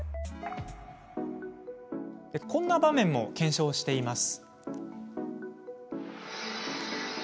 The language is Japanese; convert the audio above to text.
こんな場面も検証しています。